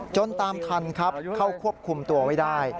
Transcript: ตามทันครับเข้าควบคุมตัวไว้ได้